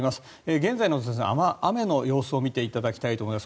現在の雨の様子を見ていただきたいと思います。